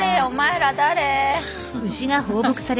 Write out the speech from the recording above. お前ら誰？」。